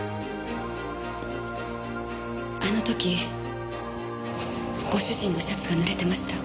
あの時ご主人のシャツがぬれてました。